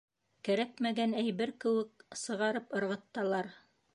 Кәрәкмәгән әйбер кеүек сығарып ырғыттылар.